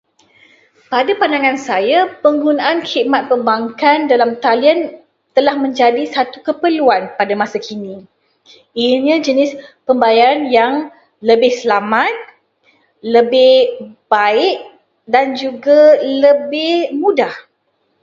Pada pandangan saya, penggunakan khidmat perbankan dalam talian telah menjadi satu keperluan pada masa kini. Ianya jenis pembayaran yang lebih selamat, lebih baik dan juga lebih mudah.